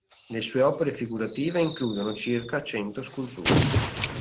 Le sue opere figurative includono circa cento sculture.